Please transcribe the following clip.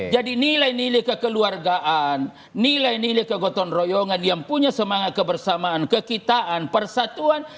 jadi nilai nilai kekeluargaan nilai nilai kegotong royongan yang punya semangat kebersamaan kekitaan persatuan